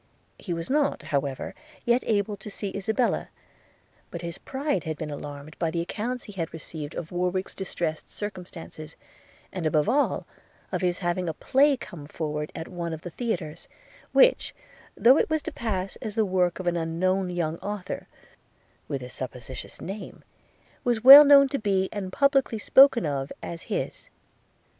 He was not, however, yet able to see Isabella; but his pride had been alarmed by the accounts he had received of Warwick's distressed circumstances, and above all, of his having a play coming forward at one of the theatres; which, though it was to pass as the work of an unknown young author, with a suppositious name, was well known to be, and publickly spoken of as his.